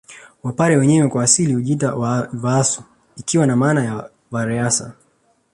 Wapare wenyewe kwa asili hujiita Vaasu ikiwa na maana ya vareasa